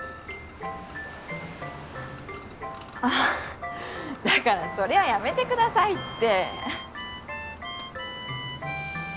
あっだからそれはやめてくださいって。